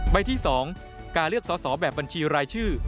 ใบที่๒การเลือกสอสอแบบบัญชีรายชื่อ